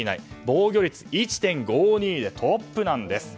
防御率１．５２でトップなんです。